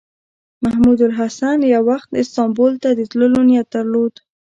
محمود الحسن یو وخت استانبول ته د تللو نیت درلود.